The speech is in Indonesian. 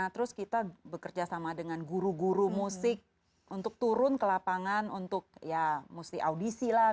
terus kita bekerja sama dengan guru guru musik untuk turun ke lapangan untuk ya mesti audisi lah